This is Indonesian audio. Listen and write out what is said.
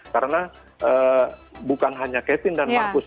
karena bukan hanya kevin dan marcus yang akan dilatih